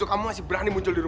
aku malu janas